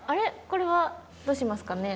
これは。どうしますかね？